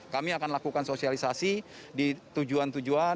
kami akan lakukan sosialisasi di tujuan tujuan